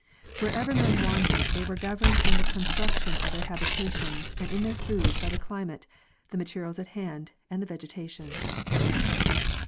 Wherever men wandered they were governed in the construction of their habitations and in their food by the climate, the materials at hand, and the vegetation.